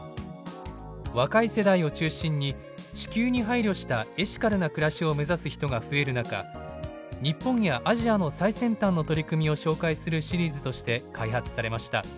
若い世代を中心に地球に配慮したエシカルな暮らしを目指す人が増える中日本やアジアの最先端の取り組みを紹介するシリーズとして開発されました。